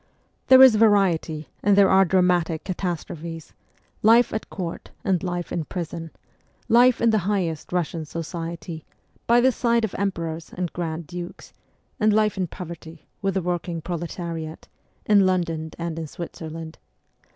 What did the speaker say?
There is variety and there are dramatic cata strophes : life at Court and life in prison ; life in the highest Eussian society, by the side of emperors and grand dukes, and life in poverty, with the working proletariat, in London and in Switzerland.